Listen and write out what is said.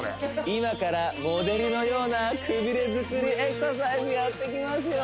今からモデルのようなくびれ作りエクササイズやっていきますよ